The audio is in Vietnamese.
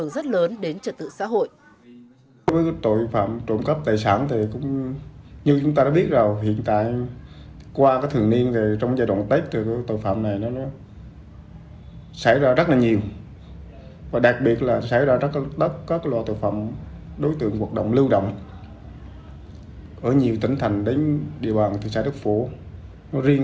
các loại tội phạm trộm cắp tài sản đã làm ảnh hưởng rất lớn đến trật tự xã hội